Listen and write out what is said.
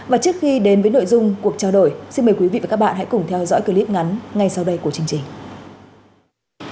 và trước khi đến với nội dung cuộc trao đổi xin mời quý vị và các bạn hãy cùng theo dõi clip ngắn ngay sau đây của chương trình